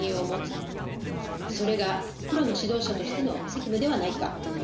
それがプロの指導者としての責務ではないか？